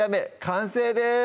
完成です